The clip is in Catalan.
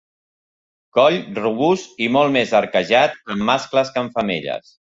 Coll robust i molt més arquejat en mascles que en femelles.